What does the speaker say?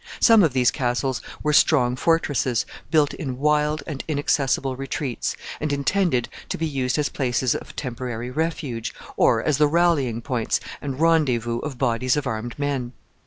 Some of these castles were strong fortresses, built in wild and inaccessible retreats, and intended to be used as places of temporary refuge, or as the rallying points and rendezvous of bodies of armed men.